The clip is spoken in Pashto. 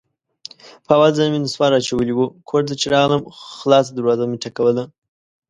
په اول ځل مې نصوار اچولي وو، کور ته چې راغلم خلاصه دروازه مې ټکوله.